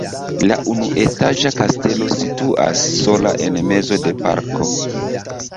La unuetaĝa kastelo situas sola en mezo de parko.